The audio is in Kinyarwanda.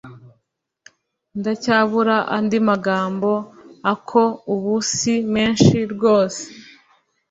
Ndacyabura andi magambo ako ubu si menshi rwose